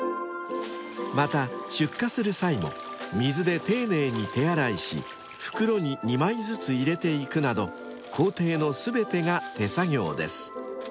［また出荷する際も水で丁寧に手洗いし袋に２枚ずつ入れていくなど工程の全てが手作業です］